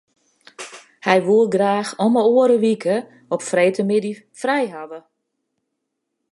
Hy woe graach om 'e oare wike op freedtemiddei frij hawwe.